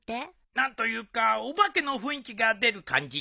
何というかお化けの雰囲気が出る感じじゃ。